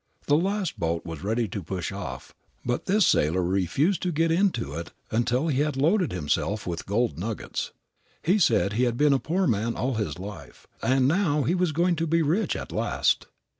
The last boat was ready to push off, but this sailor refused to get into it until he had loaded himself with gold nuggets. He said he had been a poor man all his life, and now he was going to be rich at last.